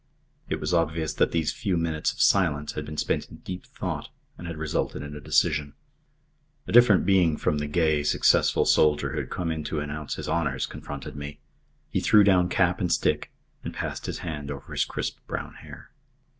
It was obvious that these few minutes of silence had been spent in deep thought and had resulted in a decision. A different being from the gay, successful soldier who had come in to announce his honours confronted me. He threw down cap and stick and passed his hand over his crisp brown hair.